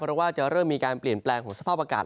เพราะว่าจะเริ่มมีการเปลี่ยนแปลงของสภาพอากาศ